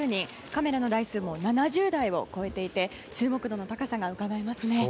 カメラの台数も７０台を超えていて注目度の高さがうかがえますね。